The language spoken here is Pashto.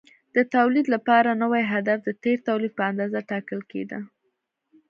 د تولید لپاره نوی هدف د تېر تولید په اندازه ټاکل کېده.